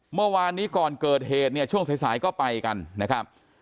เมื่อวานนี้ก่อนเกิดเหตุเนี่ยช่วงสายก็ไปกันนะครับ